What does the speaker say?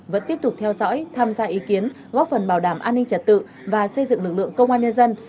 vẫn tiếp tục theo dõi tham gia ý kiến góp phần bảo đảm an ninh trật tự và xây dựng lực lượng công an nhân dân